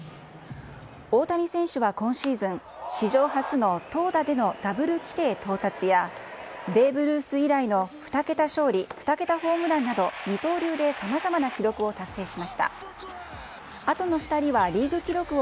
大谷選手は今シーズン史上初の投打でのダブル規定到達や、ベーブ・ルース以来の２桁勝利２桁ホームランなど、二刀流でさまざまな記録を達成しました。